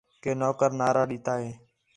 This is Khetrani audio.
کہ نوکر نعرہ ݙِتّا ہے